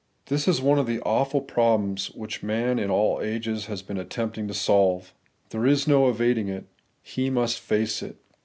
This is one of the awful problems which man in all ages has been attempting to solve. There is no evading it: he must face it.